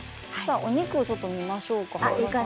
お肉を見ましょうか。